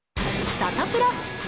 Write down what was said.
サタプラ。